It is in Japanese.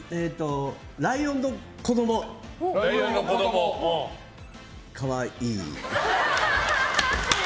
ライオンの子供、可愛い。